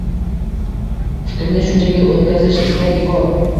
Fikrni shunchaki o’tkazish istagi bor.